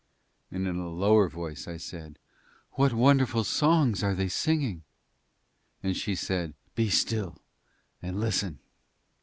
And in a lower voice I said: "What wonderful songs are they singing?" and she said, "Be still and listen."